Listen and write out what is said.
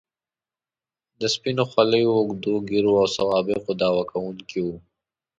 د سپینو خولیو، اوږدو ږیرو او سوابقو دعوه کوونکي وو.